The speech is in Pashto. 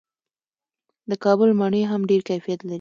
د کابل مڼې هم ډیر کیفیت لري.